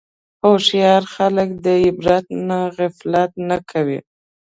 هوښیار خلک د عبرت نه غفلت نه کوي.